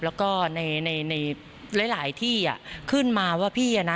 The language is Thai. แล้วก็ในในหลายที่ขึ้นมาว่าพี่อ่ะนะ